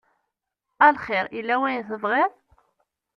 A lxir yella wayen tebɣiḍ?